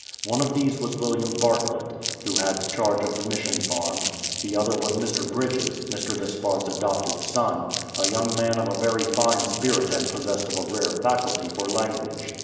One of these was William Bartlett, who had charge of the Mission farm'. The other was Mr. Bridges, Mr. Despard's adopted son, a young man of a very fine spirit and possessed of a rare faculty for lan guage.